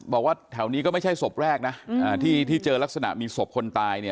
บอกว่าแถวนี้ก็ไม่ใช่ศพแรกนะที่เจอลักษณะมีศพคนตายเนี่ย